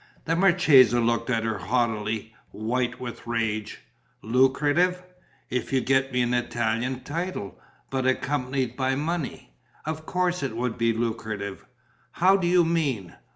The marchesa looked at her haughtily, white with rage: "Lucrative?..." "If you get me an Italian title, but accompanied by money, of course it would be lucrative." "How do you mean?"